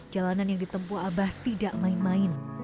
jalanan yang ditempuh abah tidak main main